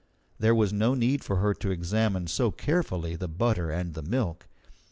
There was no need for her to examine so carefully the butter and the milk.